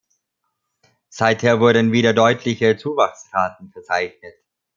Seither wurden wieder deutliche Zuwachsraten verzeichnet.